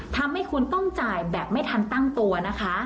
ทำให้คุณต้องจ่ายแบบไม่ทันตั้งตัวนะคะ